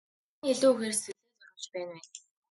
Аль нь илүү ихээр сэтгэлээ зориулж байна вэ?